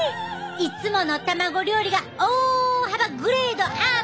いつもの卵料理が大幅グレードアップ！